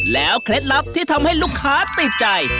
เคล็ดลับที่ทำให้ลูกค้าติดใจ